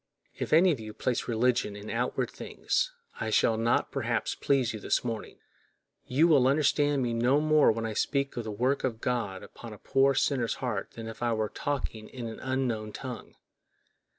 If any of you place religion in outward things, I shall not perhaps please you this morning; you will understand me no more when I speak of the work of God upon a poor sinner's heart than if I were talking in an unknown tongue.